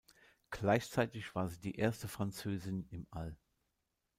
Gleichzeitig war sie die erste Französin im All.